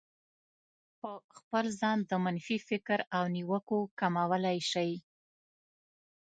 په خپل ځان د منفي فکر او نيوکو کمولای شئ.